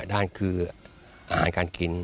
ด้านคืออาหารการกิน